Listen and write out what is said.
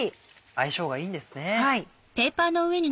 相性がいいんですね。